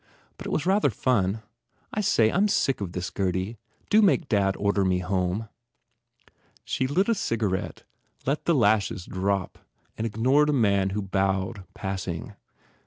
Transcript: But it was rather fun. I say, I m sick of this, Gurdy. Do make dad order me home." She lit a cigarette, let her lashes drop and ignored a man who bowed, passing.